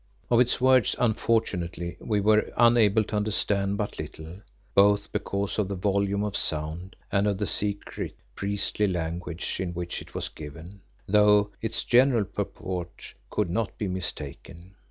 Of its words unfortunately we were able to understand but little, both because of the volume of sound and of the secret, priestly language in which it was given, though its general purport could not be mistaken.